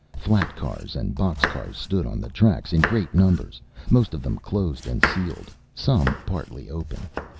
Flat cars and box cars stood on the tracks in great numbers, most of them closed and sealed some partly open.